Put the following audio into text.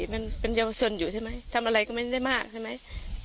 มันเป็นเยาวชนอยู่ใช่ไหมทำอะไรก็ไม่ได้มากใช่ไหม